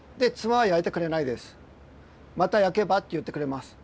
「また焼けば」って言ってくれます。